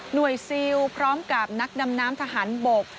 ซิลพร้อมกับนักดำน้ำทหารบก